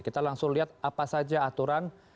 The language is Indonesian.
kita langsung lihat apa saja aturan